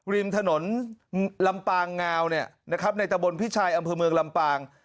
ริมถนนลำปางงาวเนี่ยนะครับในตะบนพิชัยอำเภอเมืองลำปาง